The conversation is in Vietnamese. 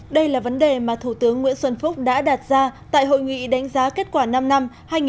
đây là vấn đề mà thủ tướng nguyễn xuân phúc đã đặt ra tại hội nghị đánh giá kết quả năm năm hai nghìn một mươi sáu hai nghìn hai mươi